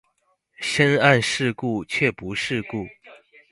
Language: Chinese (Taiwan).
深諳世故卻不世故